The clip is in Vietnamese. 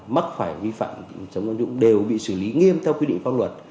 mắc phải vi phạm chống tham nhũng đều bị xử lý nghiêm theo quy định pháp luật